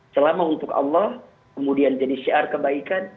selama untuk allah kemudian jadi syiar kebaikan